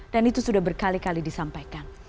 dan itu sudah berkali kali disampaikan